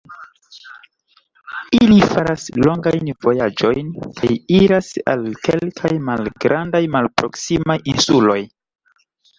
Ili faras longajn vojaĝojn kaj iras al kelkaj malgrandaj, malproksimaj insuloj.